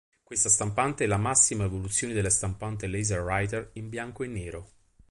Questa stampante è la massima evoluzione delle stampanti LaserWriter in bianco e nero.